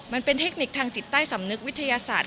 มันเป็นเทคนิคทางสิทธิ์ใต้สำนึกวิทยาศาสตร์